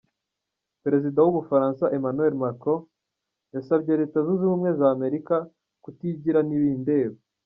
Perezida w'Ubufaransa, Emmanuel Macron, yasabye Leta Zunze ubumwe za Amerika kutigira ntibindeba.